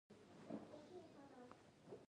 شاته سیټ ته مې مخ واړوه.